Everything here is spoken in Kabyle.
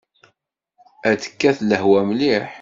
Ad tekkat lehwa mliḥ.